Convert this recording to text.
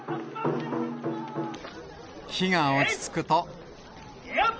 火が落ち着くと。